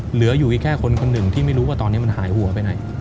เหลืออยู่อีกแค่คนคนหนึ่งที่ไม่รู้ว่าตอนนี้มันหายหัวไปไหน